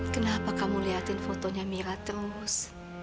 kenapa kamu liatin fotonya mira terus